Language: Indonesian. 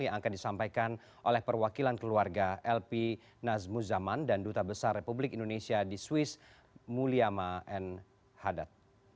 yang akan disampaikan oleh perwakilan keluarga lp nazmuzaman dan duta besar republik indonesia di swiss mulyama n hadad